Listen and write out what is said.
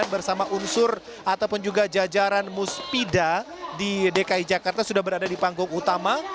dan bersama unsur ataupun juga jajaran muspida di dki jakarta sudah berada di panggung utama